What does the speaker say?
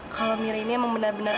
kalau miri ini emang benar benar